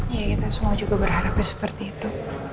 ya kita semua juga berharap ya seperti itu